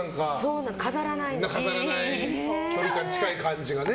飾らない、距離感近い感じがね。